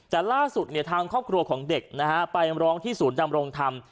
แต่ล่าสุดทางครอบครัวของเด็กนะฮะไปร้องที่ศูนย์ดำรงธรรม